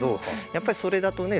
やっぱりそれだとね